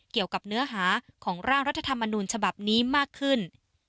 เกี่ยวกับเนื้อหาของร่างรัฐธรรมนูญฉบับนี้มากขึ้น